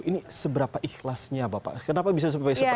ini seberapa ikhlasnya bapak kenapa bisa seperti itu